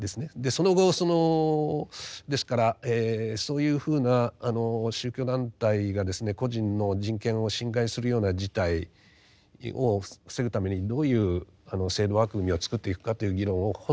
その後ですからそういうふうな宗教団体がですね個人の人権を侵害するような事態を防ぐためにどういう制度枠組みを作っていくかという議論をほとんどしてこなかったと。